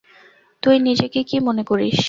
তুই নিজেকে কি মনে করিস?